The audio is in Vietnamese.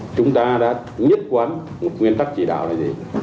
chúng ta đã nhất quán một nguyên tắc chỉ đạo là gì